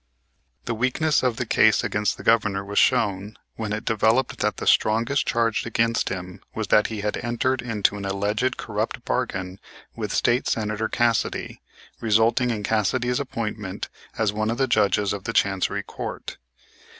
The weakness of the case against the Governor was shown when it developed that the strongest charge against him was that he had entered into an alleged corrupt bargain with State Senator Cassidy, resulting in Cassidy's appointment as one of the Judges of the Chancery Court.